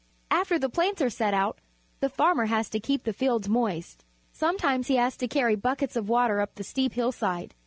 After the plants are set out, the farmer has to keep the fields moist. Sometimes he has to carry buckets of water up the steep hillside.